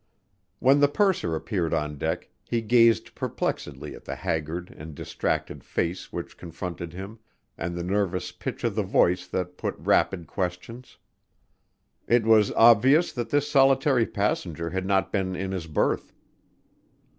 When the purser appeared on deck he gazed perplexedly at the haggard and distracted face which confronted him and the nervous pitch of the voice that put rapid questions. It was obvious that this solitary passenger had not been in his berth.